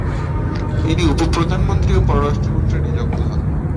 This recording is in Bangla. তিনি উপ-প্রধানমন্ত্রী ও পররাষ্ট্রমন্ত্রী নিযুক্ত হন।